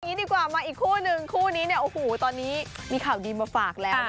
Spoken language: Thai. มีอีกคู่นึงคู่นี้ตอนนี้มีข่าวดีมาฝากแล้ว